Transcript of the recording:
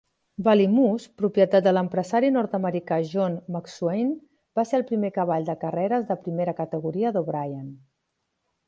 Ballymoss, propietat de l'empresari nord-americà John McShain, va ser el primer cavall de carreres de primera categoria d'O'Brien.